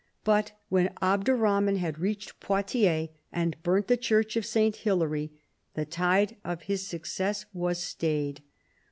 But when Abderrahraan had reached Poitiers, and burnt the Church of St. Hilary, the tide of his success was stayed.